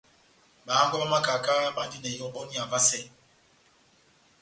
Bahángwɛ bá makaka bandi na ihɔbɔniya vasɛ.